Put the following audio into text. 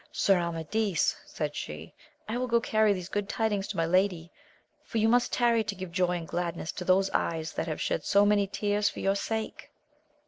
Sir Amadis, said she, I will go carry these good tidings to my lady, for you must tarry to give joy and gladness to those eyes that have shed so many tears for your sake.